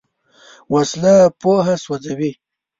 وسله پوهه سوځوي